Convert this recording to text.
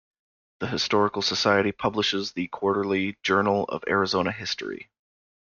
The Historical Society publishes the quarterly "Journal of Arizona History".